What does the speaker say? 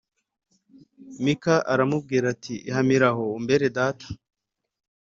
Mika aramubwira ati Ihamiraho umbere data